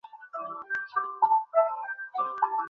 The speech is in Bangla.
নায়েব সুবেদার বানশি লাল, স্যার।